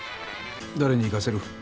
誰に行かせる？